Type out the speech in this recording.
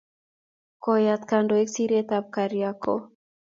Koyat kandoik siretab kariakor